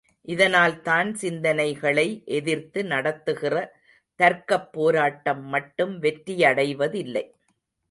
இதனால்தான் சிந்தனைகளை எதிர்த்து நடத்துகிற தர்க்கப் போராட்டம் மட்டும் வெற்றியடைவதில்லை.